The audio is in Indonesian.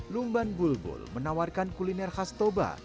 lumban bulbul menawarkan kuliner khas toba